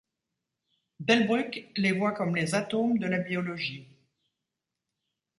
Delbrück les voit comme les atomes de la biologie.